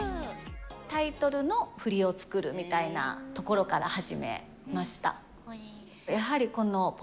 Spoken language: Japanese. タイトルの振りを作るみたいなところから始めました。